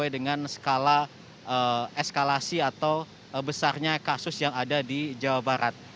dan eskalasi atau besarnya kasus yang ada di jawa barat